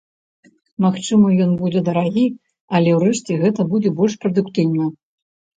Магчыма, ён будзе дарагі, але, урэшце, гэта будзе больш прадуктыўна.